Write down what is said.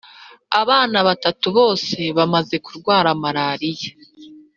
Abana batanu bose bamaze kurwara marariya